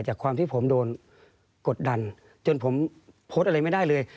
จากความที่ผมโดนกดดันจนผมโพสต์อะไรไม่ได้เลย